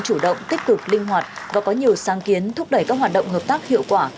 chủ động tích cực linh hoạt và có nhiều sáng kiến thúc đẩy các hoạt động hợp tác hiệu quả